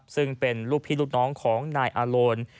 ซึ่งเป็นลูกพี่ลูกน้องของนายอาโลน